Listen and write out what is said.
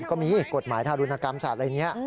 ก็มีกฎหมายทารุณกรรมสัตว์อะไรนี้